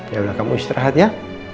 yaudah kamu istirahat ya